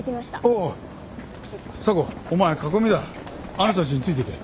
あの人たちについていけ。